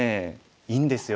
いいんですよ。